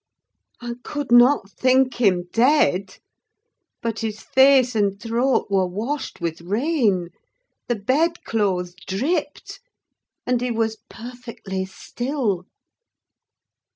I could not think him dead: but his face and throat were washed with rain; the bed clothes dripped, and he was perfectly still.